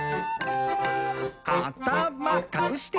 「あたまかくして！」